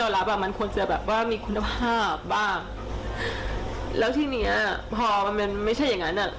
แล้วที่นี้พอมันไม่ใช่อย่างนั้น